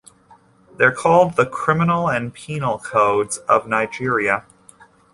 They are called the "criminal and penal codes" of Nigeria.